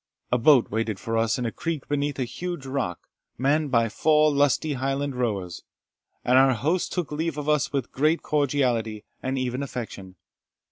A boat waited for us in a creek beneath a huge rock, manned by four lusty Highland rowers; and our host took leave of us with great cordiality, and even affection.